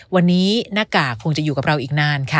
วันนี้หน้ากากคงจะอยู่กับเราอีกนานค่ะ